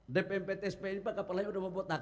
dpmptsp ini pak kapal lainnya sudah membotak